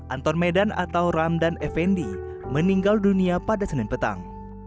anton medan atau ramdan effendi meninggal dunia pada senin petang